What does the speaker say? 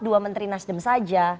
dua menteri nasdem saja